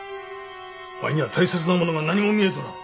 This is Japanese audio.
お前には大切なものが何も見えとらん。